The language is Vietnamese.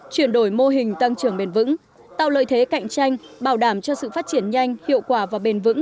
chuyển đổi mô hình tăng trưởng bền vững tạo lợi thế cạnh tranh bảo đảm cho sự phát triển nhanh hiệu quả và bền vững